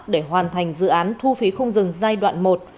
để hoàn thành hợp đồng hành